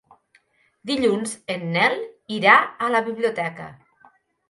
Dilluns en Nel irà a la biblioteca.